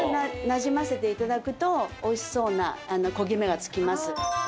なじませていただくとおいしそうな焦げ目がつきます